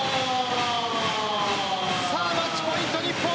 マッチポイント、日本。